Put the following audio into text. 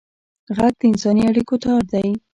غږ د انساني اړیکو تار دی